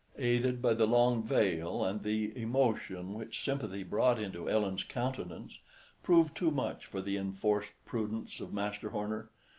— aided by the long veil, and the emotion which sympathy brought into Ellen's countenance, proved too much for the enforced prudence of Master Horner.